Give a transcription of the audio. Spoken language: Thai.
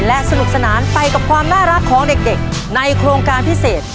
และสนุกสนานไปกับความน่ารักของเด็กในโครงการพิเศษ